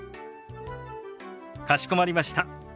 かしこまりました。